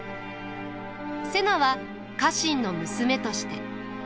瀬名は家臣の娘として。